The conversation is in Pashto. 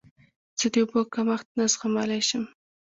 زه د اوبو کمښت نه زغملی شم.